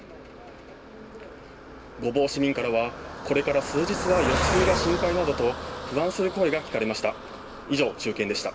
御坊市民からは、これから数日は余震が心配などと、不安する声が聞かれました。